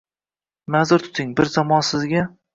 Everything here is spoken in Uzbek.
Maʼzur tuting, bir zamon sizga